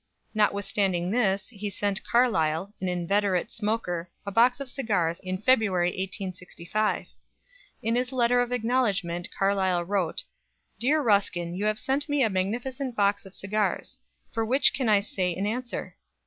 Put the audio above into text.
Notwithstanding this, he sent Carlyle an inveterate smoker a box of cigars in February 1865. In his letter of acknowledgment Carlyle wrote "Dear Ruskin, you have sent me a magnificent Box of Cigars; for which what can I say in answer?